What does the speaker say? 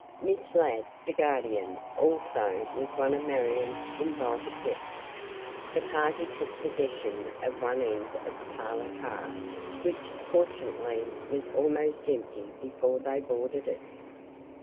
Miss Ladd, the Guardian, also was one of Marion's invited guests. The party took possession of one end of the parlor car, which, fortunately, was almost empty before they boarded it.